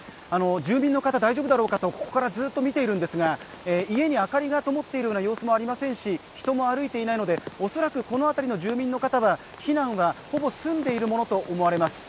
住民の方、大丈夫だろうかと、ここからずっと見ているんですが家に明かりがともっているような様子もありませんし、人も歩いていないので恐らくこの辺りの住民の方は避難はほぼ済んでいるものと思われます。